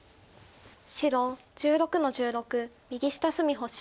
白１６の十六右下隅星。